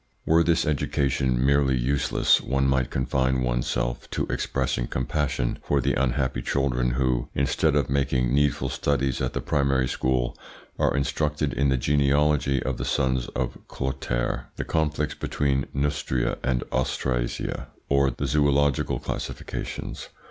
Were this education merely useless, one might confine one's self to expressing compassion for the unhappy children who, instead of making needful studies at the primary school, are instructed in the genealogy of the sons of Clotaire, the conflicts between Neustria and Austrasia, or zoological classifications.